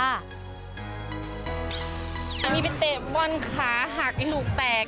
เอมมี่ไปเตะบอลค่ะหักไอ้หนูแตก